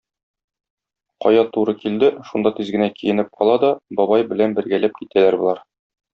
Кая туры килде, шунда тиз генә киенеп ала да, бабай белән бергәләп китәләр болар.